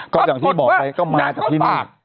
ก็อย่างที่บอกไปก็มาจากพี่มาก